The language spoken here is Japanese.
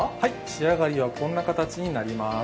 仕上がりはこんな形になります。